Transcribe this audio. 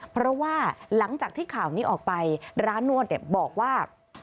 เพราะว่าหลังจากที่ข่าวนี้ออกไปร้านนวดบอกว่า